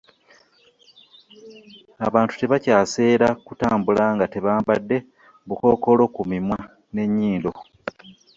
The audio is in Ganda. Abantu tebakyaseera kutambula nga tebambadde bukokolo ku mimwa n'enyindo.